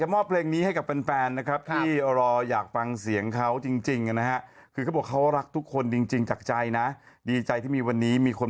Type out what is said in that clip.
สุดท้ายถ้าเราได้รักกันเธอคิดว่าเธอจะรักฉันไปอีกนานเท่าไหร่